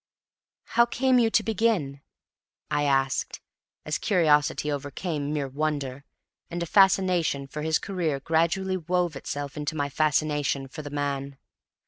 "How came you to begin?" I asked, as curiosity overcame mere wonder, and a fascination for his career gradually wove itself into my fascination for the man.